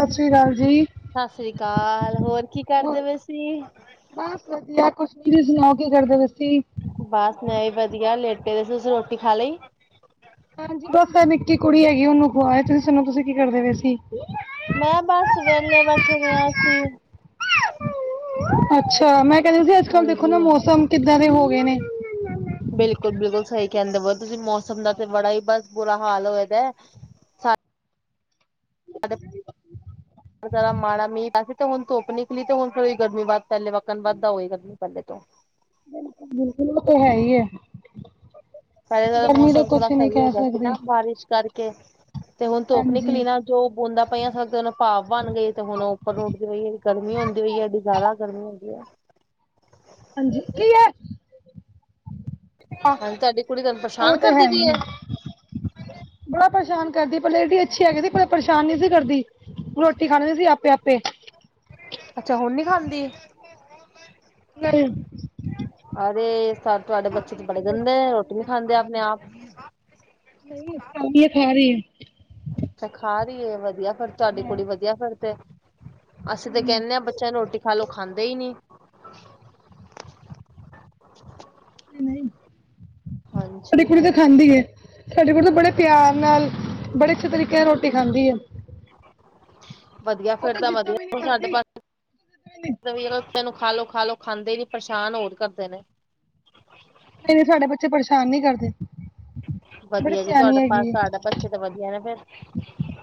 ਸਤਿ ਸ੍ਰੀ ਅਕਾਲ ਜੀ ਸਸ ਰੀ ਕਾਲ ਹੋਰ ਕੀ ਕਰਦੇ ਪਏ ਸੀ। ਬਸ ਵਧੀਆ ਕੁਛ ਨੀ ਵੀ ਸੁਣਾਓ ਕੀ ਕਰਦੇ ਵੇ ਸੀ। ਬਸ ਮੈਂ ਵੀ ਵਧੀਆ ਲੇਟ ਹੋਏਦੇ ਸੀ ਤੁਸੀਂ ਰੋਟੀ ਖਾ ਲਈ। ਹਾਂਜੀ ਬਸ ਓ ਨਿੱਕੀ ਕੁੜੀ ਹੈਗੀ ਓਨੂੰ ਖਵਾਏਆ ਤੁਸੀਂ ਸੁਣੋ ਤੁਸੀਂ ਕੀ ਕਰਦੇ ਪਏ ਸੀ। ਮੈਂ ਬਸ ਵੇਹਲੇ ਬੈਠੇ ਰਿਆ ਸੀ। ਅੱਛਾ ਮੈਂ ਕੈਂਦੀ ਸੀ ਅੱਜ-ਕੱਲ੍ਹ ਦੇਖੋ ਨਾ ਹਾਂਜੀ। ਮੌਸਮ ਕਿੱਦਾਂ ਦੇ ਹੋ ਗਏ ਨੇ। ਬਿਲਕੁਲ-ਬਿਲਕੁਲ ਸਈ ਕੈਂਦੇ ਵੋ ਤੁਸੀਂ ਮੌਸਮ ਦਾ ਤੇ ਬੜਾ ਈ ਬਸ ਬੁਰਾ ਹਾਲ ਹੋਏਦਾ। [inaudible] ਜ਼ਰਾ ਮਾੜਾ ਮੀਹ ਵੈਸੇ ਤੇ ਹੁਨ ਧੁੱਪ ਨਿਕਲੀ ਤੇ ਫਿਰ ਈ ਗਰਮੀ ਵਧ ਪਹਿਲੇ ਵੱਕਣ ਵੱਧਦਾ ਹੋਏਗਾ ਗਰਮੀ ਪਹਿਲੇ ਤੋਂ ਬਿਲਕੁਲ-ਬਿਲਕੁਲ ਓ ਤੇ ਹੈਈ ਐ। ਪਹਿਲੇ ਤੇ ਤਾਂ ਮੌਸਮ ਥੋੜਾ ਸਈ ਹੋ ਗਿਆ ਸੀ ਨਾ ਬਾਰਿਸ਼ ਕਰਕੇ, ਤੇ ਹੁਨ ਧੁੱਪ ਹਾਂਜੀ ਨਿਕਲੀ ਨਾ ਜੋ ਬੂੰਦਾਂ ਪਈਆਂ ਸਕਦੇ ਉਹ ਭਾਫ ਬਣ ਗਈ ਏ ਤੇ ਹੁਣ ਉੱਪਰ ਉੱਠਦੀ ਹੋਈ ਐ ਗਰਮੀ ਹੁੰਦੀ ਹੋਈ ਐ ਜ਼ਾਦਾ ਗਰਮੀ ਹੁੰਦੀ ਐ। ਹਾਂਜੀ, ਕੀ ਐ ਹਾਂਜੀ, ਤੁਹਾਡੀ ਕੁੜੀ ਤਾਨੂੰ ਪਰਸ਼ਾਨ ਕਰਦੀ ਪਈ ਹੀ ਏ। ਹੈ ਬੜਾ ਪਰੇਸ਼ਾਨ ਕਰਦੀ ਏ ਪੇਲੇ ਏਡੀ ਅੱਛੀ ਹੈਗੀ ਸੀ ਕਦੀ ਪਰੇਸ਼ਾਨ ਨਹੀਂ ਸੀ ਕਰਦੀ। ਰੋਟੀ ਖਾ ਲੈਂਦੀ ਸੀ ਆਪੇ-ਆਪੇ। ਅੱਛਾ ਹੁਨ ਨੀ ਖਾਂਦੀ। ਅਰੇ ਸਬ ਤੁਆਡੇ ਬੱਚੇ ਤੇ ਬੜੇ ਗੰਦੇ ਐ ਰੋਟੀ ਨੀ ਖਾਂਦੇ ਆਪਨੇ ਆਪ। ਨਈਂ ਖੈ-ਖੈ ਰਈ ਐ। ਅੱਛਾ ਖਾ ਰਈ ਏ ਵਦੀਆ ਫਿਰ ਤੁਆਡੀ ਕੁੜੀ ਵਦੀਆ ਫਿਰ ਤੇ ਅਸੀਂ ਤੇ ਕੈਂਨੇ ਆਂ ਬੱ ਬੱਚਿਆਂ ਨੂੰ ਰੋਟੀ ਖਾ ਲੋ, ਖਾਂਦੇ ਈ ਨੀ। ਨਈ, ਸਾਡੀ ਹਾਂਜੀ ਕੁੜੀ ਤਾਂ ਹਾਂਜੀ। ਖਾਂਦੀ ਐ। ਸਾਡੇ ਕੋਲ ਤਾਂ ਬੜੇ ਪਿਆਰ ਨਾਲ, ਬੜੇ ਅੱਛੇ ਤਰੀਕੇ ਨਾਲ ਰੋਟੀ ਖਾਂਦੀ ਐ। ਵਦੀਆ ਫੇਰ ਤਾਂ ਜਿੱਦਾਂ ਵੀ ਨਹੀਂ ਵਦੀਆ ਸਾਢੇ ਕਰਦੀ ਪੰਜ ਨਹੀਂ [unintelligible] ਤੈਨੂੰ ਖਾਲੋ-ਖਾਲੋ ਖਾਂਦੇ ਨੀ ਪਰੇਸ਼ਾਨ ਹੋਰ ਕਰਦੇ ਨੇ। ਨਈ-ਨਈ ਸਾਡੇ ਬੱਚੇ ਪਰੇਸ਼ਾਨ ਨਈ ਕਰਦੇ। ਬੜੇ ਵਦੀਆ ਜੀ ਸਿਆਣੀ ਤੁਆਡਾ ਘਰ ਹੈਗੀ ਹੈ ਤੁਆਡਾ ਬੱਚੇ ਤਾਂ ਵਦੀਆ ਨਾ ਫੇਰ।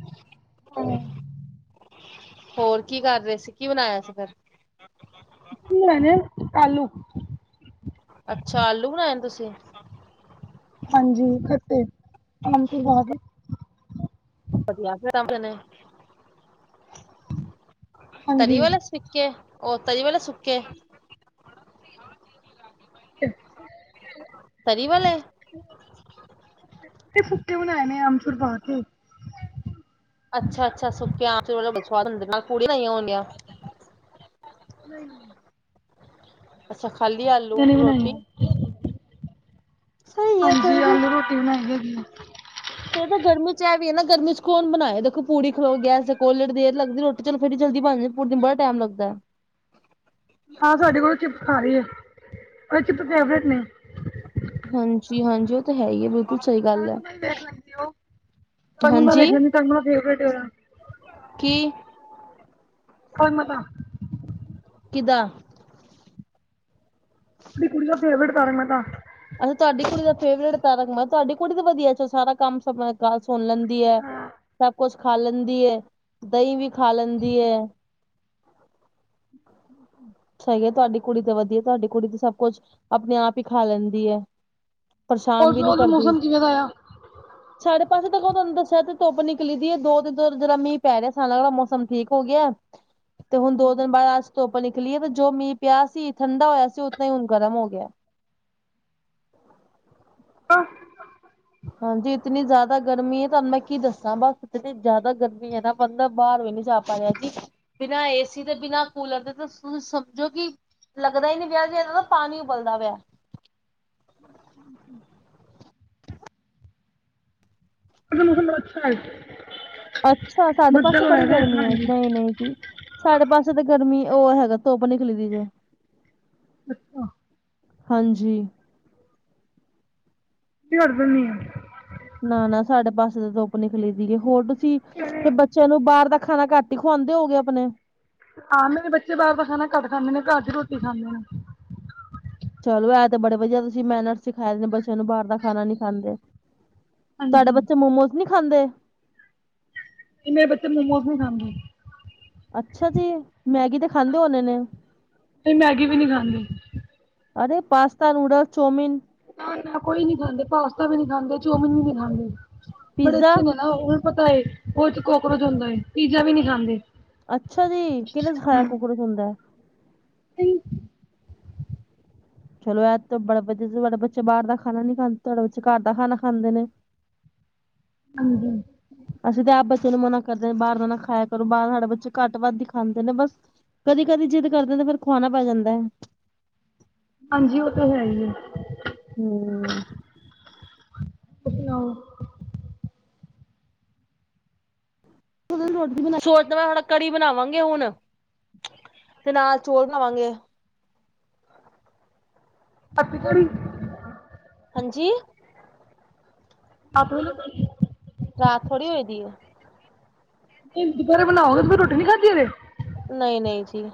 [inaudible] ਹੋਰ ਕੀ ਕਰ ਰਹੇ ਸੀ, ਕੀ ਬਣਾਇਆ ਸੀ ਫੇਰ? ਅਸੀ ਬਨਾਏ ਨੇ ਆਲੂ। ਅੱਛਾ, ਆਲੂ ਬਨਾਏ ਨੇ ਤੁਸੀਂ। ਹਾਂਜੀ ਖੱਟੇ ਆਮਚੂਰ ਵਾਲੇ। ਵਦੀਆ ਫਿਰ [unintelligible] ਤਰੀ ਹਾਂਜੀ ਵਾਲੇ। ਸੁਕੇੇ, ਓ ਤਰੀ ਵਲੇ ਸੁਕੇੇ। ਤਰੀ ਵਾਲੇ। ਤੇ ਸੁਕੇ ਬਨਾਏ ਨੇ ਆਮਚੂਰ ਪਾ ਕੇ। ਅੱਛਾ-ਅੱਛਾ ਸੁੱਕੇ ਆਮਚੂਰ ਵਾਲੇ ਸਵਾਦ ਹੁੰਦੇ ਨਾਲ ਕੂੜੀਆਂ ਬਨਾਈਆਂ ਹੋਣਗੀਆਂ। ਨਈਂ। ਅੱਛਾ ਖਾਲੀ ਆਲੂ ਜਨੇ ਬਣਾਏ ਆ। ਰੋਟੀ ਸਹੀ ਹੈ ਹਾਂਜੀ ਗਰਮੀ ਆਲੂ ਰੋਟੀ ਬਨਾਈ ਹੈਗੀ ਐ। ਏ ਤਾਂ ਗਰਮੀ ਚ ਐਹ ਵੀ ਐ ਨਾ ਗਰਮੀ ਚ ਕੌਣ ਬਨਾਏ ਦੇਖੋ ਪੂੜੀ ਖਲੋ ਗੈਸ ਤੇ ਕੋਲ ਲੇਟ ਦੇਰ ਲੱਗਦੀ ਰੋਟੀ [unintelligible] ਹਾਂ, ਸਾਡੇ ਕੋਲੋਂ ਚਿਪਸ ਖਾ ਰਹੀ ਹੈ। ਉਹ ਚਿਪਸ ਫੇਵਰੇਟ ਨੇ। ਹਾਂਜੀ-ਹਾਂਜੀ ਓ ਤਾਂ ਹੈ ਹੀ ਸਹੀ ਗੱਲ ਤਰਨ ਹੈ ਵਲ ਵੇਖ ਲੈਦੀ ਓ, ਤਰਨ ਵਲ ਹਾਂਜੀ ਵੇਖ ਲੈਦੀ ਆ। ਕੀ? ਓਏ ਮੈ ਤਾਂ ਕੀਦਾ? ਆਪਣੀ ਕੁੜੀ ਦਾ ਫੇਵਰੇਟ ਕਾਰ ਮੈਂ ਕਿਆ ਅੱਛਾ ਤੁਆਡੀ ਕੁੜੀ ਦਾ ਫੇਵਰੇਟ ਤਾਰਕ। ਤੁਆਡੀ ਕੁੜੀ ਦਾ ਵਧੀਆ ਚ ਸਾਰਾ ਕੰਮ ਸੁਣ ਲੈਂਦੀ ਹੈ। ਸਭ ਕੁਛ ਖਾ ਲੈਂਦੀ ਐ। ਦਈਂ ਵੀ ਖਾ ਲੈਂਦੀ ਐ। ਅੱਛਾ ਜੀ, ਤੁਹਾਡੀ ਕੁੜੀ ਤਾਂ ਵਧੀਆ ਤੁਹਾਡੀ ਕੁੜੀ ਤੇ ਸਭ ਕੁੱਛ ਆਪਣੇ-ਆਪ ਈ ਖਾ ਲੈਂਦੀ ਏ। ਪਰੇਸ਼ਾਨ ਉਸ ਵੀ ਨੀ ਉਸ ਕਰਦੀ। ਮੌਸਮ ਕਿਵੇਂ ਦਾ ਆ ਉਸ ਸਾਡੇ ਪਾਸੇ ਤਾਂ ਤੁਹਾਨੂੰ ਦੱਸਿਆ ਤੇ ਧੁੱਪ ਨਿਕਲੀ ਸੀ। ਦੋ ਦਿਨ ਤੋਂ ਜੇੜਾ ਮੀਹ ਪੈ ਰਿਆ ਆ। ਸਾਰਾਮੌਸਮ ਠੀਕ ਹੋ ਗਿਆ। [unintelligible] ਤੇ ਹੁਣ ਦੋ ਦਿਨ ਬਾਅਦ ਅੱਜ ਧੁੱਪ ਨਿਕਲੀ ਐ ਤੇ ਜੋ ਮੀਂਹ ਪਿਆ ਸੀ। ਠੰਡਾ ਹੋਇਆ ਸੀ ਉਤੋ ਹੁਣ ਗਰਮ ਹੋ ਗਿਆ। ਆ। ਹਾਂਜੀ ਇਤਨੀ ਜ਼ਿਆਦਾ ਗਰਮੀ ਐ ਤੁਹਾਨੂੰ ਮੈਂ ਕੀ ਦੱਸਾਂ ਬਸ ਇਤਨੀ ਜ਼ਿਆਦਾ ਗਰਮੀ ਐ ਨਾ। ਬੰਦਾ ਬਾਹਰ ਵੀ ਨੀ ਜਾ ਪਾ ਰਿਹਾ ਜੀ ਬਿਨਾਂ ਏਸੀ ਦੇ, ਬਿਨਾਂ ਕੂਲਰ ਦੇ ਤੁਸੀਂ ਸਮਝੋ ਕਿ ਲੱਗਦਾ ਹੀ ਨੀ ਪਿਆ ਜਿਵੇਂ ਕਿ ਏਦਾ ਪਾਣੀ ਉਬਲਦਾ ਪਿਆ। ਹੂੰ। ਦਾ ਮੌਸਮ ਬੜਾ ਅੱਛਾ ਏ। ਅੱਛਾ, ਸਾਡੇ ਪਾਸੇ ਬੜੀ ਗਰਮੀ ਐ, ਹਾਂਜੀ ਨਈ-ਨਈ ਜੀ। ਸਾਡੇ ਪਾਸੇ ਤਾਂ ਗਰਮੀ ਓ ਹੈਗਾ ਧੁੱਪ ਨਿਕਲਗੀ ਏ। ਅੱਛਾ। ਹਾਂਜੀ। ਕਰ ਦੀਨੀ ਆ। ਨਾ ਨਾ ਸਾਡੇ ਪਾਸੇ ਤਾਂ ਧੁੱਪ ਨਿਕਲੀ ਵੀ ਐ ਹੋਰ ਤੁਸੀਂ ਤੇ ਬੱਚੇਆਂ ਨੂੰ ਬਾਰ ਦਾ ਖਾਣਾ ਘੱਟ ਹੀ ਖਵਾਉਦੇ ਹੋ ਗਏ ਆਪਣੇ? ਆ, ਮੇਰੇ ਬੱਚੇ ਬਾਹਰ ਦਾ ਖਾਣਾ ਘੱਟ ਖਾਂਦੇ ਨੇ। ਘਰ ਚ ਰੋਟੀ ਖਾਂਦੇ ਨੇ। ਚਲ ਐ ਤੇ ਬੜੇ ਵਧੀਆ ਤੁਸੀਂ ਮੈਨਰਸ ਸਿਖਾਏ ਨੇ ਬੱਚਿਆਂ ਨੂੰ ਬਾਹਰ ਖਾਣਾ ਨੀ ਖਾਂਦੇ। ਤੁਹਾਡੇ ਹਾਂਜੀ ਬੱਚੇ ਨਹੀਂ ਮੋਮੋਸ ਨੀ ਖਾਂਦੇ? ਕਿੰਨੇ ਬੱਚੇ ਮੋਮੋਸ ਨੀ ਖਾਂਦੇ। ਅੱਛਾ ਜੀ, ਮੈਗੀ ਤਾਂ ਖਾਂਦੇ ਹੋਣੇੇ ਨੇ। ਨਹੀਂ ਮੈਗੀ ਵੀ ਨਹੀਂ ਖਾਂਦੇ ਅਰੇ ਪਾਸਤਾ, ਨੂਡਲ, ਚੌਮੀਨ। ਨਾ-ਨਾ ਕੋਈ ਨੀ ਖਾਂਦੇ ਪਾਸਤਾ ਵੀ ਨੀ ਖਾਂਦੇ ਚੋਮੀਨ ਵੀ ਨੀ ਖਾਂਦੇ ਬੜੇ ਪੀਜ਼ਾ ਅੱਛੇ ਨੇ। ਓਨੂੰ ਪਤਾ ਏ ਓ 'ਚ ਕੋਕਰੋਚ ਹੁੰਦਾ ਏ। ਪੀਜ਼ਾ ਵੀ ਨੀ ਖਾਂਦੇ। ਅੱਛਾ ਜੀ, ਕੀਨੇ ਸਿਖਾਇਆ ਕੋਕਰੋਚ ਹੁੰਦਾ। ਚਲੋ ਆ ਤੇ ਬੜਾ ਵਧੀਆ ਤੁਆਡੇ ਬੱਚੇ ਬਾਹਰ ਖਾਣਾ ਨੀ ਖਾਂਦੇ। ਤੁਆਡੇ ਬੱਚੇ ਘਰ ਦਾ ਖਾਣਾ ਖਾਂਦੇ ਨੇ। ਹਾਂਜੀ। ਅਸੀਂ ਤਾਂ ਆਪ ਬੱਚੇ ਨੂੰ ਮਨਾ ਕਰਦੇ ਆ। ਬਾਹਰ ਦਾ ਨਾ ਖਾਇਆ ਕਰੋ। ਬਾਹਰ ਸਾਡੇ ਬੱਚੇ ਘੱਟ ਵੱਧ ਹੀ ਖਾਂਦੇ ਨੇ। ਬਸ ਕਦੀ-ਕਦੀ ਜਿੱਦ ਕਰਦੇ ਨੇ, ਫਿਰ ਖਵਾਣਾ ਪੈ ਜਾਂਦੈ। ਹਾਂਜੀ, ਓ ਤਾਂ ਹੈ ਈ ਐ। ਹਮ ਥੋੜ੍ਹਾ ਕੜੀ ਬਣਾਵਾਂਗੇ ਹੁਣ ਤੇ ਨਾਲ ਚੋਲ ਬਣਾਵਾਂਗੇ। ਕੜੀ ਹਾਂਜੀ। ਆਪ ਬੋਲੋ ਕੁਛ। ਰਾਤ ਥੋੜੀ ਹੋਏ ਦੀ ਹੈ। ਦਿਨ ਪਕੋੜੇ ਬਣਾਓਗੇ ਫੇਰ ਰੋਟੀ ਨੀ ਖਾਧੀ ਵੇ? ਨਹੀਂ- ਨਹੀਂ ਜੀ।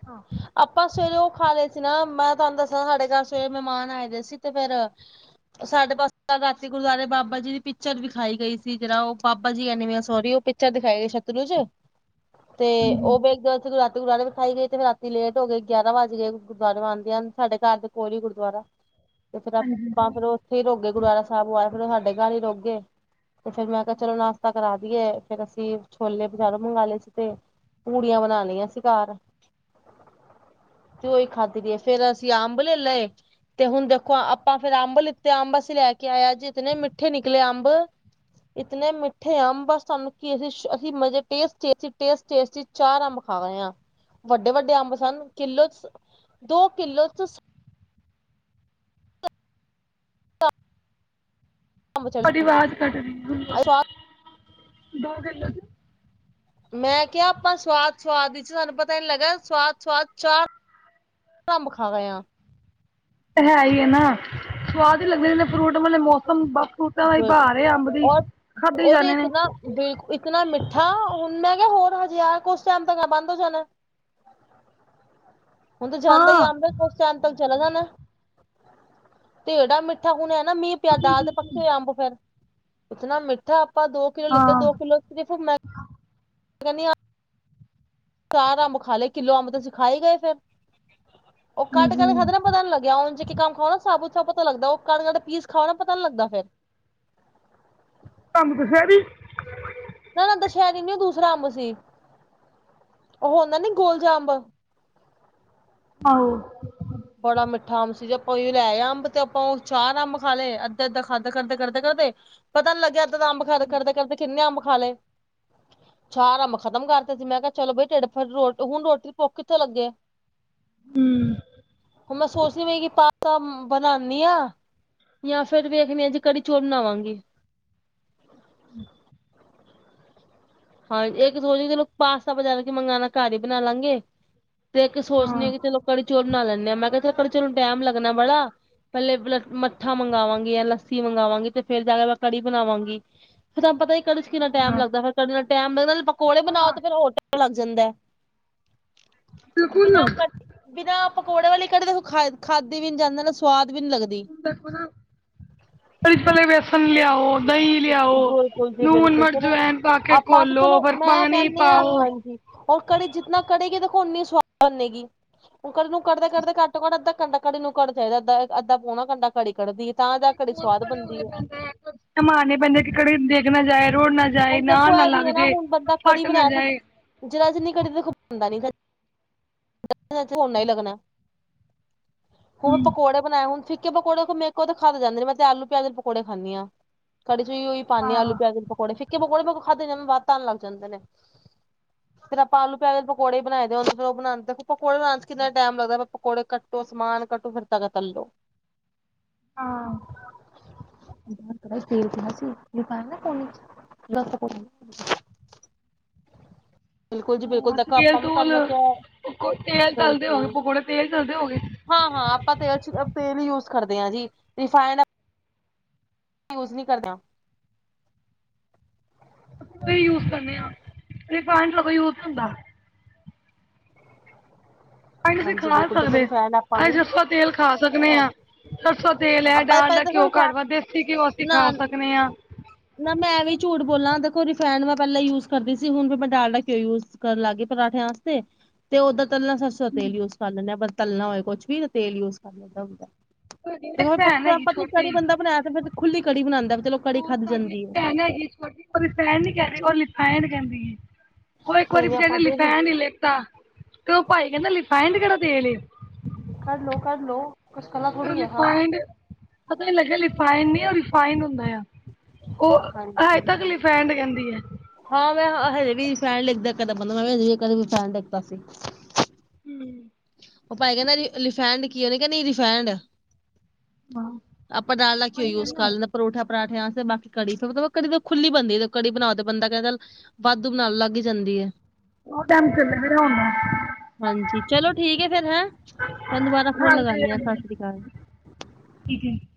ਹਾਂ। ਆਪਾਂ ਸਵੇਰੇ ਉਹ ਖਾ ਲਏ ਸੀ ਨਾ। ਮੈਂ ਤੁਹਾਨੂੰ ਦੱਸਿਆ ਸਾਡੇ ਘਰ ਸਵੇਰੇ ਮਹਿਮਾਨ ਆਏ ਦੇ ਸੀ, ਤੇ ਫੇਰ ਉਹ ਸਾਡੇ ਬਸ ਰਾਤੀ ਗੁਰਦੁਆਰੇ ਬਾਬਾ ਜੀ ਦੀ ਪਿਕਚਰ ਵਿਖਾਈ ਗਈ ਸੀ। ਜਿਹੜਾ ਉਹ ਪਾਪਾ ਜੀ ਐਨੀ ਵੈ ਸੋਰੀ, ਉਹ ਪਿਕਚਰ ਦਿਖਾਈ ਗਈ ਸਤਲੁਜ। ਤੇ ਉਹ ਫੇਰ ਇੱਕ ਰਾਤ ਗੁਰਦਵਾਰੇ ਵਿਖਾਈ ਗਈ ਤੇ ਫੇਰ ਰਾ ਚੀ ਲੇਟ ਹੋ ਗਏ, ਗਿਆਰਾਂ ਵਜ ਗਏ ਗੁਰਦੁਆਰੇਓਂ ਆਂਦੇਆਂ-ਆਂਦੇਆਂ। ਸਾਡੇ ਘਰ ਦੇ ਕੋਲ ਹੀ ਗੁਰਦੁਆਰਾ। ਤੇ ਫੇਰ ਆਪਾਂ ਫੇਰ ਉੱਥੇ ਹੀ ਰੁੱਕ ਗੇ। ਗੁਰਦੁਆਰਾ ਸਾਹਿਬ ਓ ਆਏ, ਫੇਰ ਓਹ ਸਾਡੇ ਘਰ ਹੀ ਰੁੱਕ ਗੇ। ਤੇ ਫੇਰ ਮੈਂ ਕਿਹਾ ਚਲੋ ਨਾਸ਼ਤਾ ਕਰਾ ਦੀਏ, ਫੇਰ ਅਸੀਂ ਛੋਲੇ ਬਜਾਰੋਂ ਮੰਗਾ ਲਏ ਸੀ ਤੇ ਪੂੜੀਆਂ ਬਣਾ ਲਈਆਂ ਸੀ ਘਰ। ਤੇ ਓਈ ਖਾਂਦੀ ਪਈ ਏ, ਫੇਰ ਅਸੀਂ ਅੰਬ ਲੈ ਲਏ। ਤੇ ਹੁਣ ਦੇਖੋ ਆਪਾਂ ਫੇਰ ਅੰਬ ਲਿੱਤੇ, ਅੰਬ ਅਸੀਂ ਲੈ ਕੇ ਆਏ ਅੱਜ ਇਤਨੇ ਮਿੱਠੇ ਨਿਕਲੇ ਅੰਬ। ਇਤਨੇ ਮਿੱਠੇ ਅੰਬ, ਬਸ ਸਾਨੂੰ ਕੀ ਅਸੀਂ ਸ਼, ਅਸੀਂ ਮਜ਼ੇ ਟੇਸਟ-ਟੇਸਟ ਚ, ਟੇਸਟ- ਟੇਸਟ ਚ ਚਾਰ ਅੰਬ ਖਾ ਗਏ ਆ। ਵੱਡੇ- ਵੱਡੇ ਅੰਬ ਸਨ, ਕਿੱਲੋ ਚ, ਦੋ ਕਿੱਲੋ ਚ ਤ। ਅੰਬ ਚੜ ਤੁਆਡੀ ਆਵਾਜ਼ ਕੱਟ ਰਹੀ ਏ, ਹੁਣ ਬੋਲੋ। ਸਵਾਦ ਦੋ - ਮੈਂ ਕਿਹਾ, ਆਪਾਂ ਸਵਾਦ-ਸਵਾਦ ਵਿੱਚ, ਸਾਨੂੰ ਪਤਾ ਹੀ ਨੀਂ ਲਗਿਆ, ਸਵਾਦ-ਸੁਵਾਦ ਚਾਰ ਅੰਬ ਖਾ ਗਏ ਆਂ। ਹੈ ਈ ਏ ਨਾ। ਸਵਾਦ ਹੀ ਲੱਗਦੇ ਨੇ ਫਰੂਟ ਵਾਲੇ ਮੌਸਮ ਬਾ ਫਰੂਟਾਂ ਵਾਲੀ ਬਹਾਰ ਏ ਅੰਬ ਦੀ, ਖਾਦੇੇ ਹੀ ਜਾਂਣੇ ਨੇ। ਵੇਖ, ਇਤਨਾ ਮਿੱਠਾ, ਹੁਣ ਮੈਂ ਕਿਹਾ ਹੋਰ ਹਜੇ ਆ, ਕੁਛ ਟਾਈਮ ਤੱਕ ਬੰਦ ਹੋ ਜਾਣਾ ਐ। ਹੁਣ ਤੇ ਜਾਂਦਾ ਈ ਹਾਂ ਅੰਬ। ਕੁੱਛ ਟੈਮ ਤੱਕ ਚਲਾ ਜਾਣਾ ਐ, ਤੇ ਐੜਾ ਮਿੱਠਾ ਹੁਣ ਹੈ ਨਾ ਮੀਂਹ ਪਿਆ, ਦਾਲ ਦੇ ਪੱਕੇ ਹੋਏ ਅੰਬ ਫੇਰ, ਇਤਨਾ ਮਿੱਠਾ, ਆਪਾਂ ਦੋ ਕਿਲੋ ਲਿੱਤੇ। ਹਾਂ ਦੋ ਕਿਲੋ ਸਿਰਫ ਮੈਂ [unintelligible] ਚਾਰ ਅੰਬ ਖਾ ਲਏ, ਕਿੱਲੋ ਅੰਬ ਤਾਂ ਅਸੀਂ ਖਾ ਈ ਗਏ ਫੇਰ। ਉਹ ਕੱਟ ਕੇ ਤੇ ਹਾਂਜੀ ਖਤਮ। ਪਤਾ ਨੀ ਲੱਗਿਆ। ਉਂਝ ਇੱਕ-ਇੱਕ ਅੰਬ ਖਾਓ ਨਾ ਸਾਬੁਤ - ਸਾਬੁਤ ਜਾ ਲੱਗਦਾ, ਉਹ ਕਟ- ਕਟ ਕੇ ਪੀਸ ਖਾਓ ਨਾ, ਪਤਾ ਨੀ ਲੱਗਦਾ ਫੇਰ। ਤੁਹਾਨੂੰ ਦਸ਼ੈਰੀ? ਨਾ-ਨਾ ਦੁਸ਼ੈਰੀ ਨੀਂ ਓਹ ਦੂਸਰਾ ਅੰਬ ਸੀ। ਉਹ ਹੁੰਦਾ ਨੀ ਗੋਲ ਜਿਹਾ ਅੰਬ। ਆਹੋ। ਬੜਾ ਮਿੱਠਾ ਅੰਬ ਸੀ ਜੇ ਆਪਾਂ ਓਹੀਓ ਲੈ ਆਏ ਅੰਬ ਤੇ ਆਪਾਂ ਉਹ ਚਾਰ ਅੰਬ ਖਾ ਲਏ। ਅੱਧਾ-ਅੱਧਾ ਖਾਦੇ ਕਰਦੇ- ਕਰਦੇ, ਕਰਦੇ। ਪਤਾ ਨਹੀਂ ਲੱਗਿਆ ਏਦਾਂ ਦਾ ਅੰਬ ਖਾਦ ਕਰਦੇ-ਕਰਦੇ ਕਿੰਨੇ ਅੰਬ ਖਾ ਲਏ। ਚਾਰ ਅੰਬ ਖਤਮ ਕਰਤੇ ਸੀ। ਮੈਂ ਕਿਹਾ ਚਲੋ ਬਈ ਢਿਡ ਫੇਰ ਰੋਟ, ਹੁਣ ਰੋਟੀ ਪੁੁੱਖ ਕਿੱਥੇ ਲੱਗੇ। ਹੂੰ। ਹੁਣ ਮੈਂ ਸੋਚਦੀ ਪਈ ਆਂ ਕਿ ਪਾਸਤਾ ਮਂ ਬਣਾਂਨੀ ਆਂ। ਯਾਂ ਫੇਰ ਵੇਖਨੀ ਆਂ ਜੇ ਕੜੀ ਚੋਲ ਬਣਾਵਾਂਗੀ। ਹਾਂਜੀ, ਇੱਕ ਸੋਚਨੀ ਚਲੋ ਪਾਸਤਾ ਬਜਾਰੋਂ ਕਿ ਮੰਗਉਣਾ, ਘਰ ਹੀ ਬਣਾ ਲਾਂਗੇ। ਤੇ ਇੱਕ ਸੋਚਨੀ ਆਂ ਕਿ ਚਲੋ ਕੜੀ ਚੋਲ ਬਣਾ ਲੈੇਨੇ ਆਂ। ਮੈਂ ਕਿਹਾ ਤੇ ਕੜੀ ਚੋਰ ਨੂੰ ਟਾਈਮ ਲੱਗਣਾ ਬੜਾ। ਪਹਿਲੇ ਬਲਟ ਮੱਠਾ ਮੰਗਾਵਾਂਗੀ ਜਾਂ ਲੱਸੀ ਮੰਗਗਾਵਾਂਗੀ ਤੇ ਫੇਰ ਜਾ ਕੇ ਮੈਂ ਕੜੀ ਬਣਾਵਾਂਗੀ। ਫੇਰ ਤੁਹਾਨੂੰ ਪਤਾ ਹੀ, ਕੜੀ ਚ ਕਿਨਾ ਟਾਈਮ ਲੱਗਦਾ ਏ। ਫੇਰ ਕੜੀ ਨਾਲ ਟਾਈਮ ਲਗਦਾ ਤੇ ਪਕੌੜੇ ਬਣਾਓ ਤੇ ਫੇਰ ਹੋਰ ਟੈਮ ਲੱਗ ਜਾਂਦਾ ਐ। ਬਿਲਕੁਲ [unintelligible] ਬਿਨਾਂ ਪਕੌੜੇ ਵਾਲੀ ਕੜੀ ਦੇਖੋ ਖਾ ਖਾਦੀ ਵੀ ਨੀ ਜਾਂਦੀ, ਨਾ ਸਵਾਦ ਵੀ ਨੀ ਲੱਗਦੀ। ਦੇਖੋ ਨਾ, ਪੈਲੇ ਵੇਸਨ ਲਿਆਓ। ਦਈਂ ਲਿਆਓ, ਬਿਲਕੁਲ ਜੀ ਨੂਨ, ਬਿਲਕੁਲ ਮਰਚ, ਚਲੋ ਜ਼ਵੈਨ ਪਾ ਕੇ ਆਪਾਂ ਤਾਂ ਘੋਲੋ, ਫਿਰ ਪਾਣੀ ਪਾਓ। ਔ ਕੜੀ ਜਿਨਾ ਕੜੇਗੀ, ਦੇਖੋ ਉੱਨੀ ਸਵਾਦ ਬਣੇਗੀ। ਓ ਕੜੀ ਨੂੰ ਕੜਦੇ- ਕੜਦੇ ਘੱਟ ਤੋਂ ਘੱਟ ਅੱਧ ਘੰਟਾ ਕੜੀ ਨੂੰ ਕੱਢਣਾ ਚਾਹੀਦਾ। ਅੱਧਾ ਏ ਅੱਧਾ ਪੌਣਾ ਘੰਟਾ ਕੜੀ ਕੱੜਦੀ ਏ, ਤਾਂ ਜਾ ਕੇ ਕੜੀ ਸਵਾਦ ਬਣਦੀ ਏ। ਸਮਾਨ ਹੀ ਪੈਂਦਾ ਕਿ ਕੜੀ ਡਿੱਗ ਨਾ ਜਾਏ, ਰੁੜ ਨਾ ਜਾਏ, ਹੁਣ ਦੇਖੋ ਨਾਲ ਨਾ ਇਹ ਲੱਗ ਵੀ ਹੈ ਜਾਏ, ਹੁਣ ਬੰਦਾ ਕੜੀ ਫੱਟ ਨਾ ਬਣਾਇਆ ਜਾਏ। ਤੇ ਜਰਾ ਜਿੰਨੀ ਕੜੀ ਦੇਖੋ ਬਣਦਾ ਨੀਗਾ। [inaudible] ਉੱਨਾਂ ਹੀ ਲੱਗਣਾ। ਹੁਣ ਪਕੌੜੇ ਬਣਾਏ, ਹੁਣ ਫਿੱਕ ਕੇ ਪਕੌੜੇੇ ਤੇ ਮੇਕੋ ਖਾਦੇ ਜਾਂਦੇ ਨੀ। ਮੈਂ ਤੇ ਆਲੂ-ਪਿਆਜ ਦੇ ਪਕੌੜੇ ਖਾਂਦੀ ਹਾਂ। ਕੜੀ ਚ ਵੀ ਓਈ ਪਾਨੀਂ ਆਂ, ਆਲੂ ਪਿਆਜ ਦੇ ਪਕੌੜੇ। ਫਿੱਕੇ ਪਕੌੜੇ ਮੇ ਕੋ ਖਾਧੇ ਨੀ ਜਾਂਦੇ, ਬੱਤ ਆਣ ਲੱਗ ਜਾਂਦੇ ਨੇ। ਫਿਰ ਅਪਾਂ ਆਲੂ ਪਿਆਜ ਦੇ ਪਕੋੜੇ ਹੀ ਬਣਾਈ ਦੇ। ਏ ਫਿਰ ਔ ਬਨਾਣ ਤਕ ਬਣਾਉਣ ਚ ਕਿੰਨਾ ਟਾਈਮ ਲੱਗਦਾ, ਪਕੌੜੇ ਕਟ ਤ ਸਮਾਨ ਕੱਟੋ ਫਿਰ ਤੱਕ ਤਲੋ ਹਾਂ [inaudible] ਦੱਸ [unintelligible] ਬਿਲਕੁਲ ਜੀ ਬਿਲਕੁਲ ਹਾਂ ਦੇਖੋ ਤੇਲ ਆਪਾਂ ਮੈਂ ਤੂਲ ਤੁਹਾਨੂੰ ਕਿਹਾ ਪਕੋ- ਤੇਲ ਤਲਦੇ ਹੋਗੇ ਬਿਲਕੁਲ ਪਕੌੜੇ ਤੇਲ ਤਲਦੇ ਹੋਗੇ ਅਸੀਂ ਹਾਂ ਹਾਂ ਆਪਾਂ ਤੇਲ ਚ ਤੇਲ ਹੀ ਯੂਜ ਕਰਦੇ ਹਾਂ ਜੀ ਰਿਫਾਇਡ ਯੂਜ ਨਹੀਂ ਕਰਦੇ ਆਂ ਸੀ ਯੂਜ ਕਰਨੇ ਆ ਇਹ ਪਾਣੀ ਲ ਕੋ ਯੂਜ ਹੁੰਦਾ ਸੀਂ ਹਾਂਜੀ ਖਾ ਬਿਲਕੁਲ ਦੇਖੋ ਸਕਦੇ ਰਿਫਾਇੰਡ ਆਪਾਂ ਅਸੀਂ ਵੀ ਜਫਾ ਤੇਲ ਖਾ ਸਕਦੇ ਨਾ ਹਾਂ ਪਰਸੋਂ ਤੇਲ ਹੈ ਆਪਾਂ ਦਾਲ ਪਹਿਲਾਂ ਦਾ ਦੇਖੋ ਘਿਓ ਰਿਫੈ ਘੱਟ ਵਾ ਦੇਸੀ ਘਿਓ ਅਸੀਂ ਨਾ ਖਾ ਸਕਦੇ ਹਾਂ ਨਾ ਮੈਂ ਵੀ ਝੂਠ ਬੋਲਾਂ ਦੇਖੋ ਰਿਫੈਨਡ ਮੈਂ ਪਹਿਲਾਂ ਯੂਜ ਕਰਦੀ ਸੀ ਹੁਣ ਮੈਂ ਡਾਲਡਾ ਘਿਓ ਯੂਜ ਕਰਨ ਲੱਗ ਗਈ ਪਰਾਂਠਿਆਂ ਚ ਤੇ ਤੇ ਓਦਾਂ ਤਲਣਾ ਸਰਸੋਂ ਤੇਲ ਯੂਜ ਕਰ ਲੈਂਦੇ ਹ ਪਰ ਤਲਣਾ ਹੋਵੇ ਕੁਛ ਵੀ ਨਾ ਤੇਲ ਯੂਜ ਕਰ ਲੈਂਦਾ ਹਦਾ ਸਾਡੀ ਤੇ ਨਾ ਇੱਕ ਭੈਣ ਫਾ ਹੈਗੀ ਪਤਾ ਛੋਟੀ ਕੜੀ ਬੰਦਾ ਬਣਾਇਆ ਫਿਰ ਖੁੱਲੀ ਕੜੀ ਬਣਾਉਂਦਾ ਵੀ ਚਲੋ ਕੜੀ [inaudible] ਉਹ ਖਾਧੀ ਇੱਕ ਜਾਂਦੀ ਹੈ। ਵਾਰੀ ਨਹੀਂ-ਨਹੀਂ ਬਚਾਰੇ ਆਪਾਂ ਤੇ ਜੀ ਲਿਫੈਣ ਹੀ ਲੇਤਾ ਤੇ ਉਹ ਭਾਈ ਕਹਿੰਦਾ ਲਿਫੈਡ ਕਿਹੜਾ ਤੇਲ ਏ ਕਰ ਲੋ ਕਰ ਲਓ ਅ ਮਤਲਬ ਲਿਫੇਡ ਨਈ ਰਿਫਾਇੰਡ ਹੁੰਦਾ ਉਹ ਅਜੇ ਤੱਕ ਹਾਂਜੀ-ਹਾਂਜੀ ਲਿਫੈਂਡ ਕਹਿੰਦੀ ਐ ਹਾਂ ਮੈਂ ਹਜੇ ਵੀ ਫੈਡ ਲਿਗਦਾ ਕਦਾ ਬੰਦਾ ਮੈਂ ਕਦੇ ਫੈਨ ਲਗਦਾ ਸੀ ਹੂੰ ਉਹ ਭਾਈ ਕਹਿੰਦਾ ਰਿਫੈਂਡ ਕੀ ਉਹਨੇ ਕਹਿੰਦੇ ਰਿਫੈਂਡ ਹਾਂ ਆਪਾਂ ਡਾਲਡਾ ਘਿਓ ਯੂਸ ਕਰ ਲੈਣੇ ਪਰੌਠਾ ਪਰਾਂਠਿਆਂ ਤੇ ਬਾਕੀ ਕੜੀ ਫਿਰਲਬ ਕੜੀ ਖੁੱਲੀ ਬਣਦੀ ਕੜੀ ਬਣਾਓ ਬੰਦਾ ਕਹਿੰਦਾ ਵਾਧੂ ਬਣਾਉਣ ਲੱਗ ਜਾਂਦੀ ਐ ਹਾਂਜੀ ਚਲੋ [inaudible] ਠੀਕ ਫੇਰ ਹੈਂ ਤੁਹਨੂੰੁਬਾਰਾ ਫੋਨ ਲਗਾਉਦੇ ਆਾਂ ਸਤਿ ਸ੍ਰੀ ਅਕਾਲ [inaudible]